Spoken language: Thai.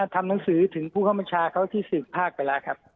ทำหนังสือถึงผู้เข้าบัญชาเขาที่สืบภาคไปแล้วครับ